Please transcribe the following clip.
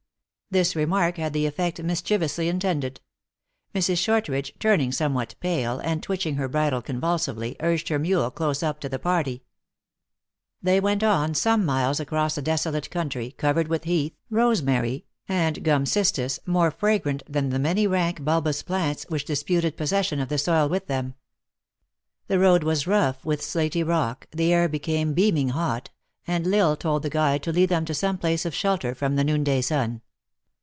This remark had the effect mischievously intended. Mrs. Shortridge, turning somewhat pale, and twitch ing her bridle convulsively, urged her mule close up to the party. They went on some miles across a desolate country, covered with heath, rosemary, and gum cistus, more fragrant than the many rank bulbous plants, which disputed possession of the soil with them. The road was rough with slaty rock, the air became beaming hot, and L Isle told the guide to lead them to some place of shelter from the noon day sun.